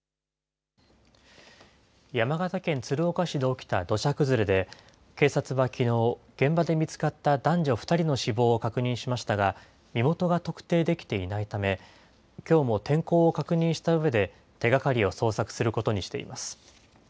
山形県鶴岡市で起きた土砂崩れで、警察はきのう、現場で見つかった男女２人の死亡を確認しましたが、身元が特定できていないため、きょうも天候を確認したうえで、手がかりを捜索することにしています。